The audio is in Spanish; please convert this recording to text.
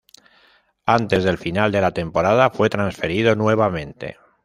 Antes del final de la temporada fue transferido nuevamente.